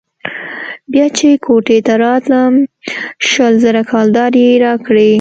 بيا چې كوټې ته راتلم شل زره كلدارې يې راکړې.